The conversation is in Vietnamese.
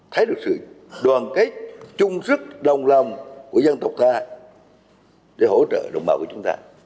thấy được sự đoàn kết chung sức đồng lòng của dân tộc ta để hỗ trợ đồng bào của chúng ta